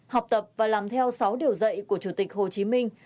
học tập và làm theo sáu điều dạy của chủ tịch hồ chí minh